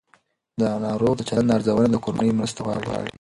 د ناروغ د چلند ارزونه د کورنۍ مرسته غواړي.